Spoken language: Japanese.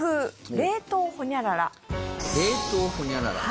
冷凍ほにゃらら。